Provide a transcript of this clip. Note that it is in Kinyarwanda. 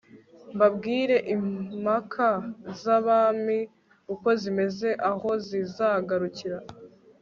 mbabwire impaka zabami uko zimeze aho zizagarukira